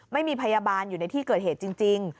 ไม่มีพยาบาลอยู่ในที่เกิดเหตุจริง